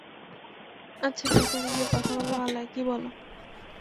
আচ্ছা, ভেতরে গিয়ে কথা বললে ভাল হয়, কী বলো?